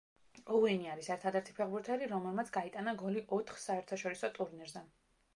ოუენი არის ერთადერთი ფეხბურთელი, რომელმაც გაიტანა გოლი ოთხ საერთაშორისო ტურნირზე.